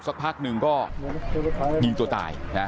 สักพักหนึ่งก็ยิงตัวตายนะ